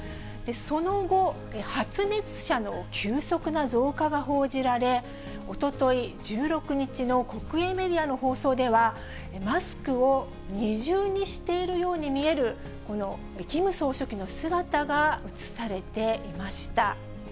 その後、発熱者の急速な増加が報じられ、おととい１６日の国営メディアの放送では、マスクを二重にしているように見える、このキム総書記の姿が映されていました。